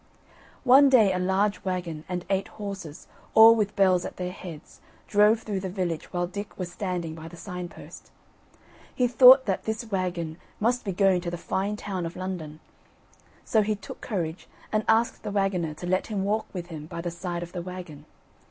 One day a large waggon and eight horses, all with bells at their heads, drove through the village while Dick was standing by the sign post. He thought that this waggon must be going to the fine town of London; so he took courage, and asked the waggoner to let him walk with him by the side of the waggon.